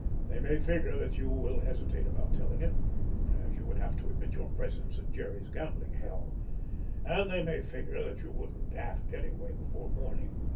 They may figure that you will hesitate about telling it, as you would have to admit your presence at Jerry's gambling hell—and they may figure that you wouldn't act anyway before morning.